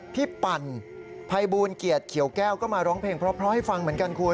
ปั่นภัยบูลเกียรติเขียวแก้วก็มาร้องเพลงเพราะให้ฟังเหมือนกันคุณ